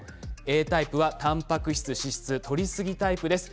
Ａタイプはたんぱく質、脂質とりすぎタイプです。